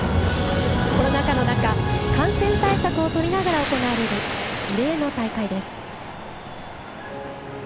コロナ禍の中感染対策をとりながら行われる異例の大会です。